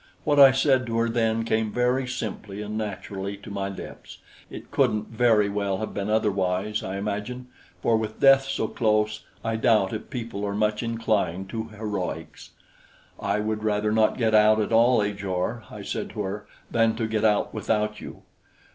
What I said to her then came very simply and naturally to my lips. It couldn't very well have been otherwise, I imagine, for with death so close, I doubt if people are much inclined to heroics. "I would rather not get out at all, Ajor," I said to her, "than to get out without you."